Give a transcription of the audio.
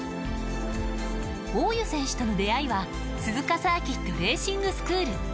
大湯選手との出会いは鈴鹿サーキットレーシングスクール。